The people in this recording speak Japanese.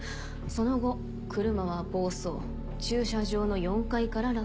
その後車は暴走駐車場の４階から落下。